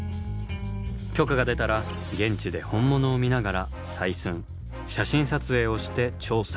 許可が出たら現地で本物を見ながら採寸・写真撮影をして調査。